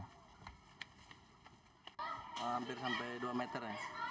hampir sampai dua meter